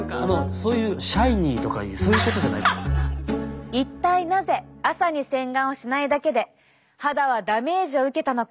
そういう一体なぜ朝に洗顔をしないだけで肌はダメージを受けたのか？